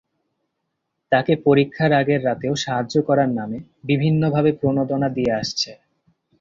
তাঁকে পরীক্ষার আগের রাতেও সাহায্য করার নামে বিভিন্নভাবে প্রণোদনা দিয়ে আসছে।